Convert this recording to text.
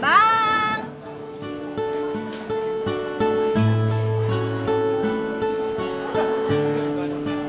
masih kenal gak ya